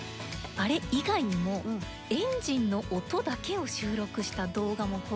あれ以外にもエンジンの音だけを収録した動画も公開していて。